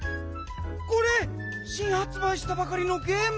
これしんはつばいしたばかりのゲーム！